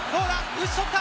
打ち取った！